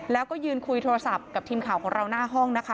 แล้วก็ยืนคุยโทรศัพท์กับทีมข่าวของเราหน้าห้องนะคะ